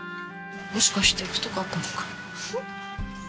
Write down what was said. もしかして太かったのか？